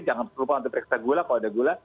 jangan lupa untuk periksa gula kalau ada gula